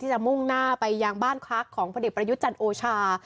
จะมุ่งหน้าไปยังบ้านพักของพลเอกประยุทธ์จันทร์โอชา